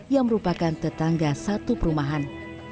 yang merupakan tetangga satu perumahan